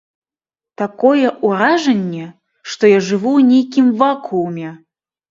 Такое ўражанне, што я жыву ў нейкім вакууме.